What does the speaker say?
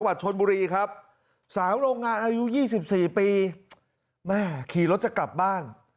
ชนบุรีครับสาวโรงงานอายุ๒๔ปีแม่ขี่รถจะกลับบ้าน